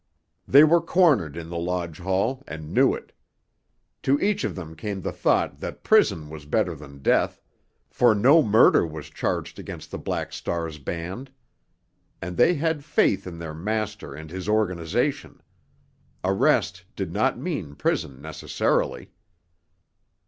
They were cornered in the lodge hall, and knew it. To each of them came the thought that prison was better than death—for no murder was charged against the Black Star's band. And they had faith in their master and his organization—arrest did not mean prison necessarily.